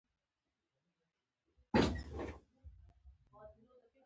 یوازې د دې هېواد شلي ایالتونو برخه واخیسته.